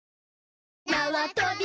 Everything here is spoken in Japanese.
なわとび